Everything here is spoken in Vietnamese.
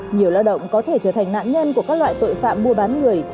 nhiều lao động có thể trở thành nạn nhân của các loại tội phạm mua bán người